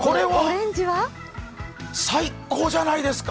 最高じゃないですか。